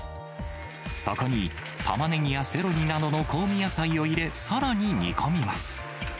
そこに、たまねぎやセロリなどの香味野菜を入れ、さらに煮込みます。